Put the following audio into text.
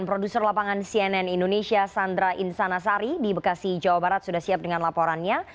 produser lapangan cnn indonesia sandra insanasari di bekasi jawa barat sudah siap dengan laporannya